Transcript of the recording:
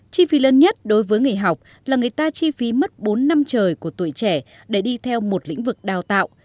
chi phí lớn nhất đối với người học là người ta chi phí mất bốn năm trời của tuổi trẻ để đi theo một lĩnh vực đào tạo